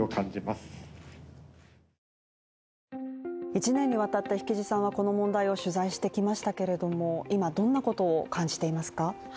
１年にわたって引地さんはこの問題について取材してきましたけれども、今、どんなことを感じていますか？